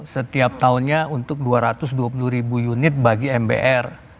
setiap tahunnya untuk dua ratus dua puluh ribu unit bagi mbr